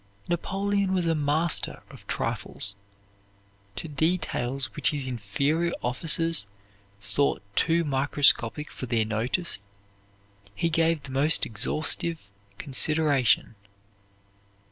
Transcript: Napoleon was a master of trifles. To details which his inferior officers thought too microscopic for their notice he gave the most exhaustive consideration.